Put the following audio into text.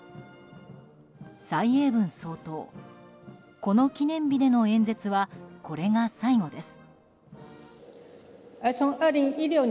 蔡英文総統、この記念日での演説はこれが最後です。